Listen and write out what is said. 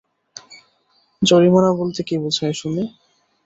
জরিমানা বলতে কী বোঝায় শুনি।